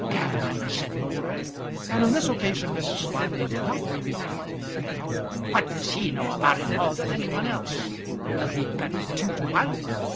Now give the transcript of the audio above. "Gammon!" said Moulder. And on this occasion Mrs. Smiley did not rebuke him. "What does he know about it more than any one else? Will he bet two to one?